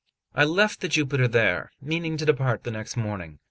XLII I LEFT the Jupiter there, meaning to depart the next morning.